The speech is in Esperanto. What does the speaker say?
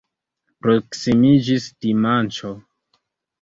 Proksimiĝis dimanĉo.